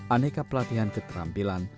aneka pelatihan keterampilan